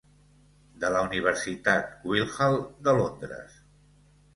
de la Universitat Guildhall de Londres.